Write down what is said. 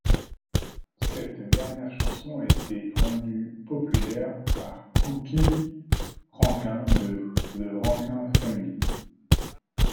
Cette dernière chanson a été rendue populaire par Cookie Rankin de The Rankin Family.